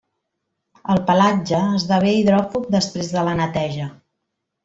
El pelatge esdevé hidròfug després de la neteja.